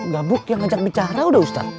gabuk yang ngajak bicara udah ustadz